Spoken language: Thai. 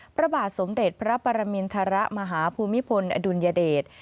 พระบาทสมเด็จพระปรมินทรมาฮภูมิพลอดุลยเดช